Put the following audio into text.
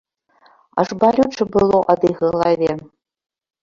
Аж балюча было ад іх галаве.